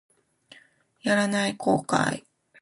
やらない後悔